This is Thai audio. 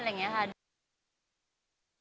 ดูครับมันอยู่ที่แล้ว